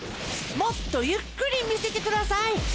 もっとゆっくりみせてください。